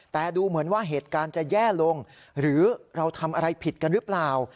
แต่ดูเหมือนว่าเหตุการณ์จะแย่ลงหรือเราทำอะไรผิดกันหรือเปล่า